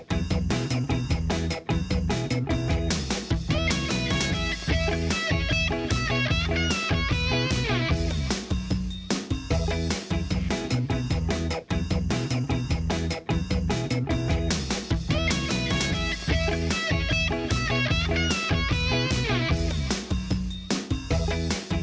โปรดติดตามตอนต่อไป